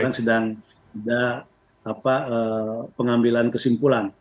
jadi kita sudah ada pengambilan kesimpulan